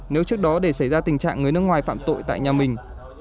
nếu trước đó để xảy ra tình trạng người nước ngoài phạm tội tại nhà mình